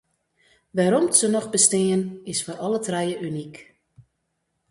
Wêrom’t se noch bestean, is foar alle trije unyk.